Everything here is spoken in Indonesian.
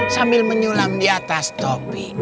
sambil menyulam di atas topi